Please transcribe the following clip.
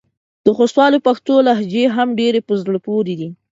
د خوستوالو پښتو لهجې هم ډېرې په زړه پورې دي.